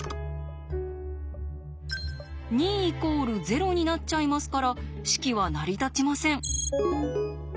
２＝０になっちゃいますから式は成り立ちません。